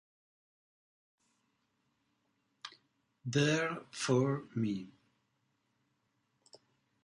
There for Me